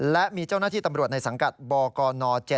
และมีเจ้าหน้าที่ตำรวจในสังกัดบกน๗